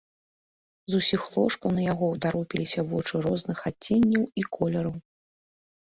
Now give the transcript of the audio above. З усіх ложкаў на яго ўтаропіліся вочы розных адценняў і колераў.